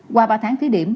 qua ba tháng thí điểm